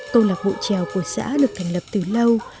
câu lạc bộ trèo của xã được thành lập từ lâu